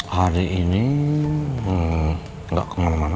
hari ini tidak kemana mana